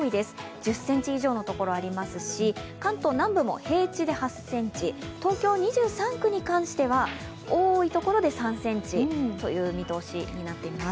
１０ｃｍ以上の所ありますし、関東南部も平地で８ｃｍ、東京２３区に関しては多いところで３ｃｍという見通しになっています。